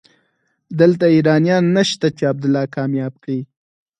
دلته ايرانيان نشته چې عبدالله کامياب کړي.